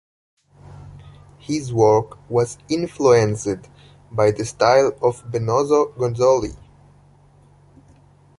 His work was influenced by the style of Benozzo Gozzoli.